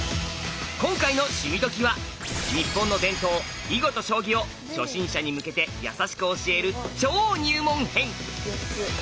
今回の「趣味どきっ！」は日本の伝統囲碁と将棋を初心者に向けてやさしく教える超入門編！